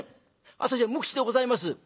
私は無口でございます」。